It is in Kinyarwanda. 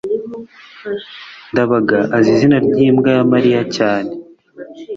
ndabaga azi izina ry'imbwa ya mariya cyane